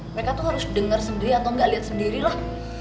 mereka tuh harus denger sendiri atau gak liat sendiri lah